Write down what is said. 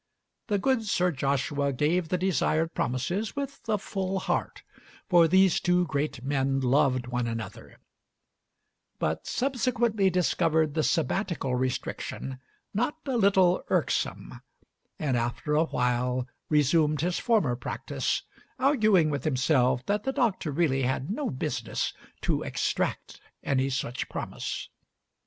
The good Sir Joshua gave the desired promises with a full heart, for these two great men loved one another; but subsequently discovered the Sabbatical restriction not a little irksome, and after a while resumed his former practice, arguing with himself that the Doctor really had no business to extract any such promise.